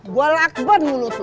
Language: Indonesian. gua lakban mulut lu